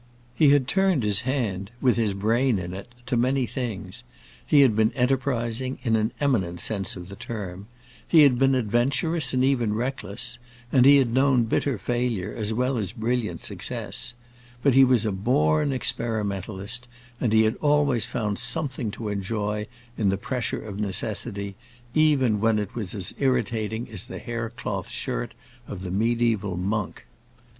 He had turned his hand, with his brain in it, to many things; he had been enterprising, in an eminent sense of the term; he had been adventurous and even reckless, and he had known bitter failure as well as brilliant success; but he was a born experimentalist, and he had always found something to enjoy in the pressure of necessity, even when it was as irritating as the haircloth shirt of the mediæval monk.